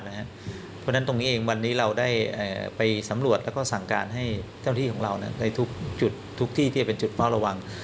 เพราะฉะนั้นตรงนี้เองวันนี้เราได้ไปสำรวจแล้วก็สั่งการให้เจ้าที่ของเราในทุกจุดทุกที่ที่จะเป็นจุดเฝ้าระวัง